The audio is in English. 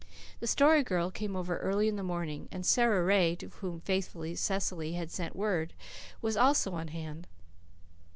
The Story Girl came over early in the morning, and Sara Ray, to whom faithful Cecily had sent word, was also on hand.